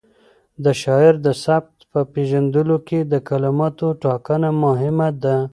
د شاعر د سبک په پېژندلو کې د کلماتو ټاکنه مهمه ده.